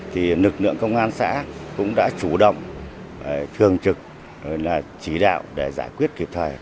thì lực lượng công an xã cũng đã chủ động thường trực là chỉ đạo để giải quyết kịp thời